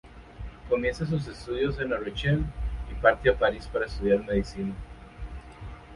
Comienza sus estudios en La Rochelle; y parte a París para estudiar medicina.